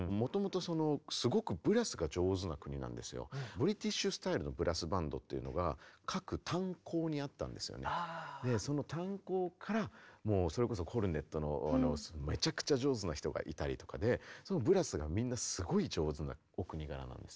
ブリティッシュスタイルのその炭鉱からもうそれこそコルネットのめちゃくちゃ上手な人がいたりとかでブラスがみんなすごい上手なお国柄なんです。